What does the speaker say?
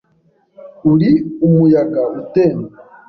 Uri umuyaga utemba